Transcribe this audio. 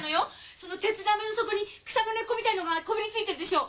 その鉄鍋の底に草の根っこみたいなのがこびりついてるでしょう。